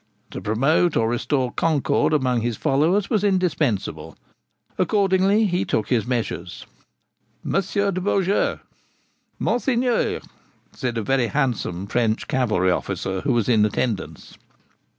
To promote or restore concord among his followers was indispensable. Accordingly he took his measures. 'Monsieur de Beaujeu!' 'Monseigneur!' said a very handsome French cavalry officer who was in attendance.